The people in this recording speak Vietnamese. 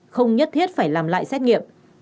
không nhất thiết phải làm lại xét nghiệm